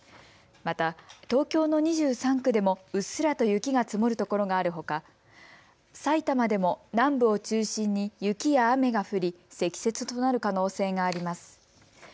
また、東京の２３区でもうっすらと雪が積もるところがあるほか埼玉でも南部を中心に雪や雨が降り積雪となる可能性があります。